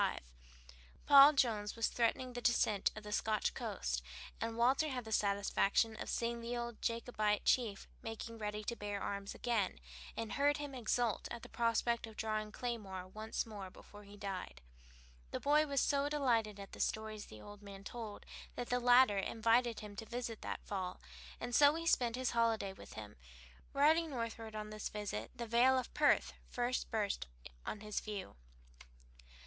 Paul Jones was then threatening a descent on the Scotch coast, and Walter had the satisfaction of seeing the old Jacobite chief making ready to bear arms again, and heard him exult at the prospect of drawing claymore once more before he died. The boy was so delighted at the stories the old man told that the latter invited him to visit him that fall, and so he spent his holiday with him. Riding northward on this visit the vale of Perth first burst on his view.